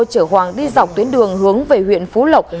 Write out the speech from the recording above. chở hoàng đi dọc tuyến đường hướng về huyện phú lộc